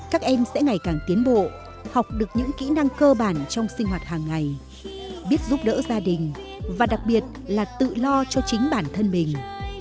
các em sẽ ngày càng tiến bộ học được những kỹ năng cơ bản trong sinh hoạt hàng ngày biết giúp đỡ gia đình và đặc biệt là tự lo cho chính bản thân mình